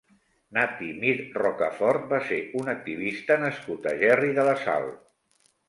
Nati Mir Rocafort va ser un activista nascut a Gerri de la Sal.